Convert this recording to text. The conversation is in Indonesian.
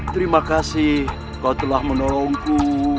terima kasih kau telah menolongku